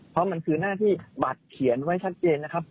เพราะมันคือหน้าที่บัตรเขียนไว้ชัดเจนนะครับ